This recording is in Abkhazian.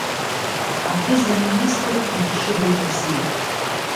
Аԥыза-министр их-шыбаҩ ҵысит.